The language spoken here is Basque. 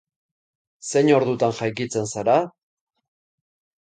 Zein ordutan jaikitzen zara?